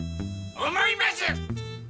思います！